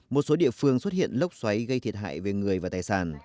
một số địa phương xuất hiện lốc xoáy gây thiệt hại về người và tài sản